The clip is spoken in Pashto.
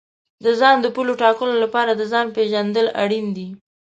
د ځان د پولو ټاکلو لپاره د ځان پېژندل اړین دي.